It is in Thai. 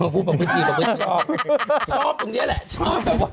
พูดบทฤษค่ะ